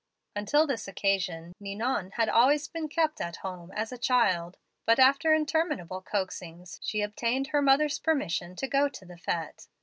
"Until this occasion, Ninon had always been kept at home as a child; but, after interminable coaxings, she obtained her mother's permission to go to the fete.